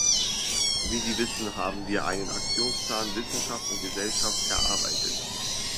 Wie Sie wissen, haben wir einen Aktionsplan "Wissenschaft und Gesellschaft" erarbeitet.